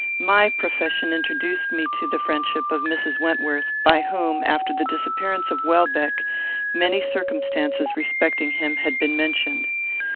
My profession introduced me to the friendship of Mrs. Wentworth, by whom, after the disappearance of Welbeck, many circumstances respecting him had been mentioned.